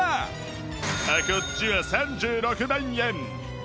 こっちは３６万円